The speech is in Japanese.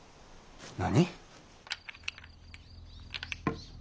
何！？